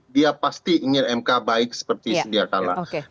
dia pasti ingin mk baik seperti sedia kalah